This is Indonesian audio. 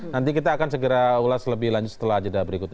nanti kita akan segera ulas lebih lanjut setelah ajadah berikutnya